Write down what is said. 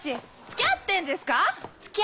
付き合ってんですか？